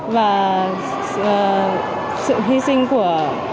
và sự hy sinh của